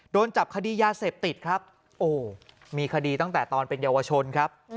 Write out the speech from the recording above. โดนจับคดียาเสพติดครับโอ้มีคดีตั้งแต่ตอนเป็นเยาวชนครับ